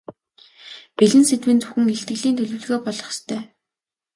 Бэлэн сэдэв нь зөвхөн илтгэлийн төлөвлөгөө болох ёстой.